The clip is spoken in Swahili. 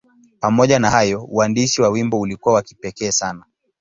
Pamoja na hayo, uandishi wa wimbo ulikuwa wa kipekee sana.